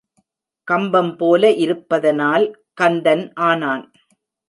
கம்பம்போல இருப்பதனால் கந்தன் ஆனான்.